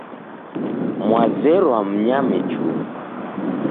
Mwazerwa mnyame chuku.